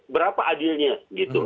berapa adilnya gitu